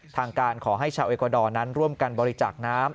ทางการขอให้ชาวเอกวาดอร์นั้นร่วมกันบริจาคน้ำ